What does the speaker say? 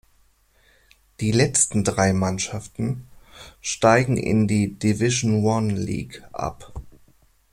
Die letzten drei Mannschaften steigen in die Division One League ab.